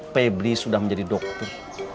pebri sudah menjadi dokter